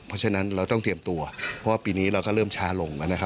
เพราะฉะนั้นเราต้องเตรียมตัวเพราะว่าปีนี้เราก็เริ่มช้าลง